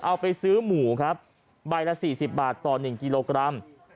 เอาไปซื้อหมูครับใบละ๔๐บาทต่อ๑กิโลกรัม